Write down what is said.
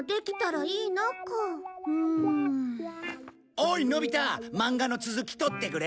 おいのび太マンガの続き取ってくれ。